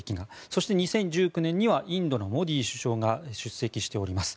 そして２０１９年にはインドのモディ首相が出席しております。